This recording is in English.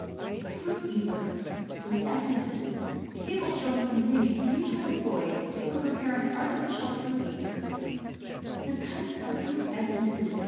FRUIT ETHERS (FRUIT ESSENCES). TABLE SHOWING THE INGREDIENTS USUALLY EMPLOYED FOR PREPARING ARTIFICIAL FRUIT ETHERS (FRUIT ESSENCES).